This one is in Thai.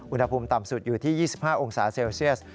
อุณหภูมิต่ำสุดอยู่ที่๒๕องศาเซลเซียส